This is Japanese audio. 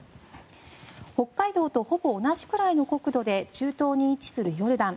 北海道とほぼ同じくらいの国土で中東に位置するヨルダン。